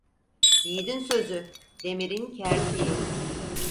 Yiğidin sözü, demirin kertiği.